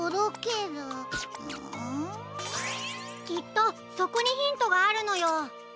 きっとそこにヒントがあるのよ。